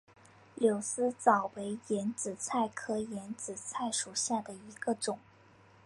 柳丝藻为眼子菜科眼子菜属下的一个种。